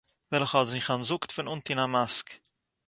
וועלכע האט זיך אנטזאגט פון אנטון א מאסק